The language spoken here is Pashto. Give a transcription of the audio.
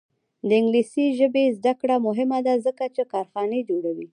د انګلیسي ژبې زده کړه مهمه ده ځکه چې کارخانې جوړوي.